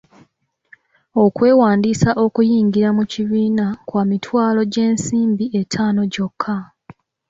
Okwewandiisa okuyingira mu kibiina kwa mitwalo gy'ensimbi etaano gyokka.